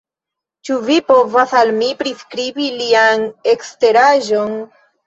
Ĉu vi povas al mi priskribi lian eksteraĵon?